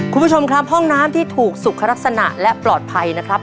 คุณผู้ชมครับห้องน้ำที่ถูกสุขลักษณะและปลอดภัยนะครับ